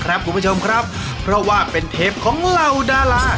คุณผู้ชมครับเพราะว่าเป็นเทปของเหล่าดารา